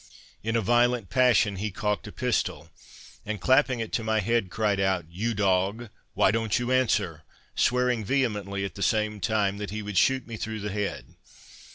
In a violent passion he cocked a pistol, and clapping it to my head, cried out, "You dog, why don't you answer?" swearing vehemently at the same time that he would shoot me through the head.